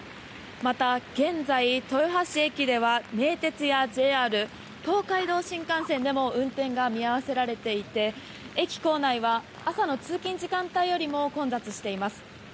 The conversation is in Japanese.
また現在、豊橋駅では名鉄やＪＲ東海道新幹線でも運転が見合わせられていて駅構内は朝の通勤時間帯よりも混雑しています。